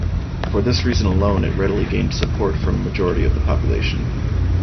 For this reason alone it readily gained support from majority of the population.